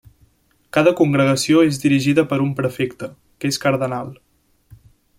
Cada congregació és dirigida per un prefecte, que és cardenal.